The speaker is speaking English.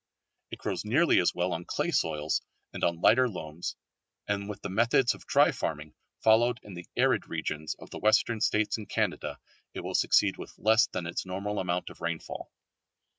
It grows nearly as well on clay soils and on lighter loams, and with the methods of dry farming followed in the arid regions of the Western States and Canada, it will succeed with less than its normal amount of rainfall.